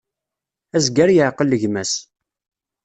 Azger yeɛqel gma-s.